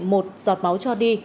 một giọt máu cho đi